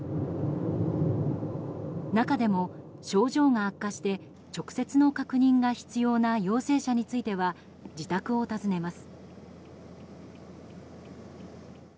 中でも症状が悪化して直接の確認が必要な陽性者については自宅を訪ねます。